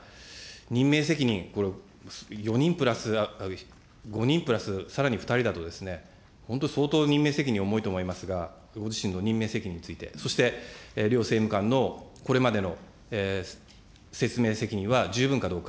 任命責任、これ、４人プラス、５人プラス、さらに２人だとですね、本当、相当、任命責任重いと思いますが、ご自身の任命責任について、そして、両政務官のこれまでの説明責任は十分かどうか。